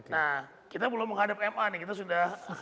nah kita belum menghadap ma nih